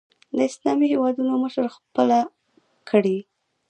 د اسلامي هېوادونو مشري خپله کړي